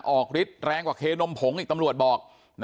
ฤทธิ์แรงกว่าเคนมผงอีกตำรวจบอก